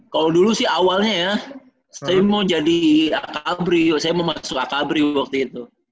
kalau dulu sih awalnya ya saya mau jadi akabrio saya mau masuk akabri waktu itu